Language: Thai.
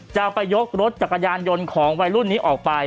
จะไปยกรถจักรยานยนต์ของวัยรุ่นนี้ออกไป